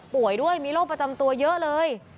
ป่วยด้วยมีโรคประจำตัวเยอะเลย